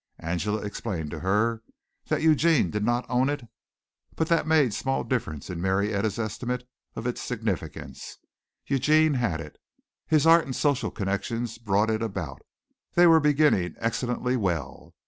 Angela explained to her that Eugene did not own it, but that made small difference in Marietta's estimate of its significance. Eugene had it. His art and social connections brought it about. They were beginning excellently well.